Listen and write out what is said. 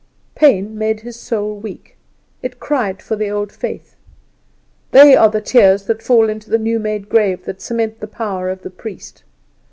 Pain made his soul weak; it cried for the old faith. They are the tears that fall into the new made grave that cement the power of the priest.